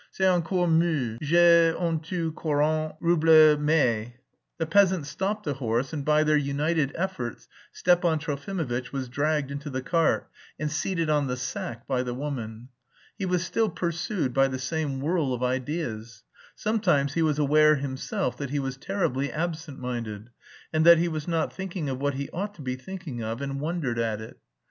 C'est encore mieux; j'ai en tout quarante roubles mais..." The peasant stopped the horse and by their united efforts Stepan Trofimovitch was dragged into the cart, and seated on the sack by the woman. He was still pursued by the same whirl of ideas. Sometimes he was aware himself that he was terribly absent minded, and that he was not thinking of what he ought to be thinking of and wondered at it.